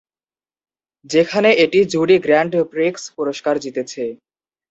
যেখানে এটি jury grand prix পুরস্কার জিতেছে।